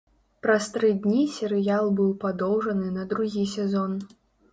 Праз тры дні серыял быў падоўжаны на другі сезон.